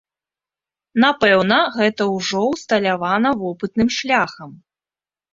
Напэўна, гэта ўжо ўсталявана вопытным шляхам.